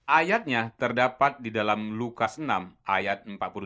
ayatnya terdapat di dalam lukas enam ayat empat puluh dua